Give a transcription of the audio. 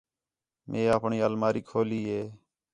مئے اپݨی اَلماری کھولی ہِے